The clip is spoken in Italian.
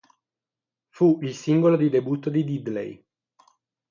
Fu il singolo di debutto di Diddley.